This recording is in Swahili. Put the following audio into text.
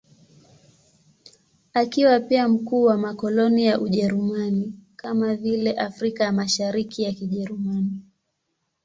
Akiwa pia mkuu wa makoloni ya Ujerumani, kama vile Afrika ya Mashariki ya Kijerumani.